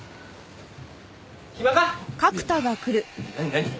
何？